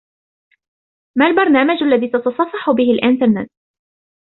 ما البرنامج الذي تتصفح به الإنترنت ؟